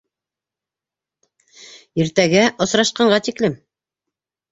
Иртәгә осрашҡанға тиклем!